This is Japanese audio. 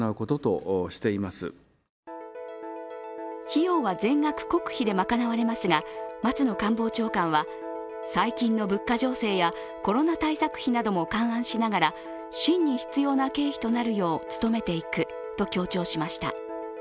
費用は全額国費で賄われますが松野官房長官は最近の物価情勢やコロナ対策費なども勘案しながら真に必要な経費となるよう努めていくと強調しました。